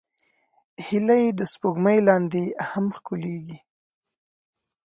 هیلۍ د سپوږمۍ لاندې هم ښکليږي